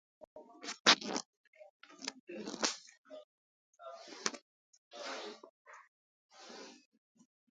هغه په خپل کار کې بریالی شو او خوشحاله ده